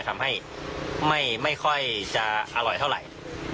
ทำให้ไม่ค่อยจะอร่อยเท่าไหร่